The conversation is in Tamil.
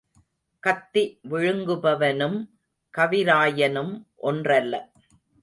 கத்தி விழுங்குபவனும் கவிராயனும் ஒன்றல்ல.